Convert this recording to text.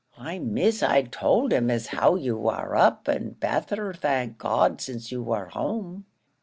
"Why, Miss, I towld him as how you war up, and betther, thank God, since you war home."